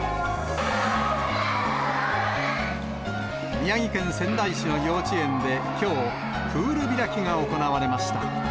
宮城県仙台市の幼稚園できょう、プール開きが行われました。